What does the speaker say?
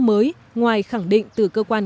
mới ngoài khẳng định từ cơ quan